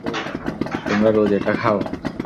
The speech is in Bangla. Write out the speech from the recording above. তোমরা রোজ এটা খাও?